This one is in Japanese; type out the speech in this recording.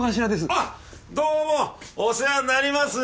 あっどうもお世話になります。